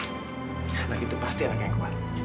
karena gitu pasti anak yang kuat